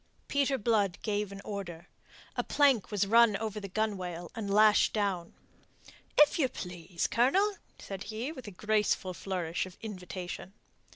Peter Blood gave an order. A plank was run out over the gunwale, and lashed down. "If you please, Colonel," said he, with a graceful flourish of invitation.